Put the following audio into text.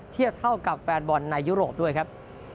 เทียบเท่ากับแฟนบอลในยุโรปด้วยครับ